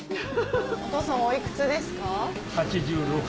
お父さんお幾つですか？